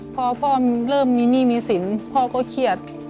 พอพ่อเริ่มมีหนี้มีสินพ่อก็เครียด